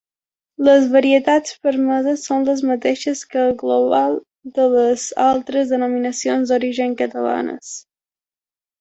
Les varietats permeses són les mateixes que el global de les altres denominacions d'origen catalanes.